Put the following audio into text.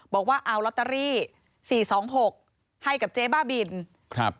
บอกว่าเอาลอตเตอรี่สี่สองหกให้กับเจ๊บ้าบินครับ